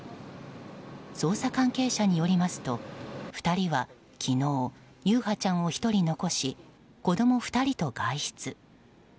捜査関係者によりますと２人は昨日優陽ちゃんを１人残し子供２人と外出。